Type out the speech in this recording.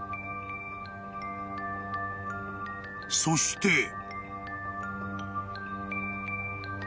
［そして］